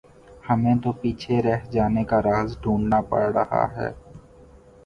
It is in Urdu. ہمیں تو پیچھے رہ جانے کا راز ڈھونڈنا پڑ رہا ہے۔